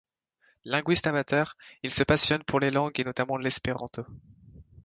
Linguiste amateur, il se passionne pour les langues et notamment l’espéranto.